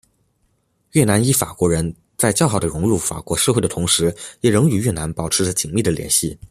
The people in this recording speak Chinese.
越南裔法国人在较好的融入法国社会的同时也仍与越南保持着紧密的联系。